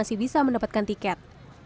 masih bisa mendapatkan tiket